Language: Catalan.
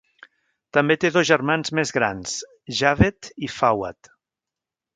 També té dos germans més grans, Javed i Fawad.